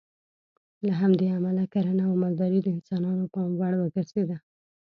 له همدې امله کرنه او مالداري د انسانانو پام وړ وګرځېده.